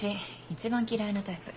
一番嫌いなタイプ。